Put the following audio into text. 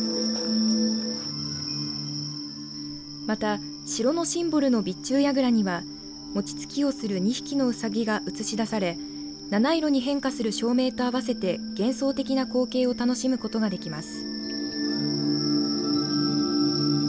また、城のシンボルの備中櫓には餅つきをする２匹のうさぎが映し出され７色に変化する照明と合わせて幻想的な光景を楽しむことができます。